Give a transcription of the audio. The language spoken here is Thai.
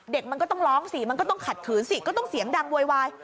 มันก็ต้องร้องสิมันก็ต้องขัดขืนสิก็ต้องเสียงดังโวยวาย